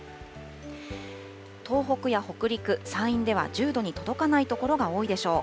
東北や北陸、山陰では１０度に届かない所が多いでしょう。